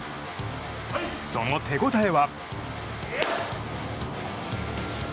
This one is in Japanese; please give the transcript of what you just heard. その手ごたえは。